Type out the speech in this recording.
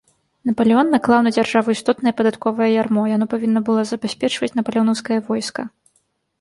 Напалеон наклаў на дзяржаву істотнае падатковае ярмо, яно павінна было забяспечваць напалеонаўскае войска.